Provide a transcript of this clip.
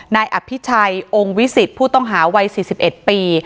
นายอภิชัยองค์วิสิตผู้ต้องหาวัย๔๑ปี